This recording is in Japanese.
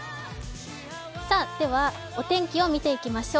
では、お天気を見ていきましょう。